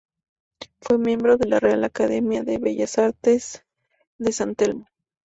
Fue miembro de la Real Academia de Bellas Artes de San Telmo.